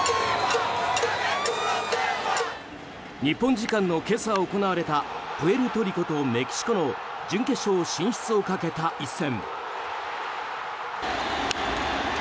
日本時間の今朝行われたプエルトリコとメキシコの準決勝進出をかけた一戦。